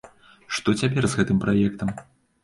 Што цяпер з гэтым праектам?